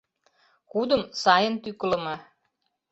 Кудым сайын тӱкылымӧ.